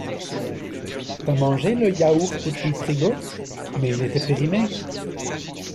T'as mangé le yaourt du frigo? Mais il était périmé!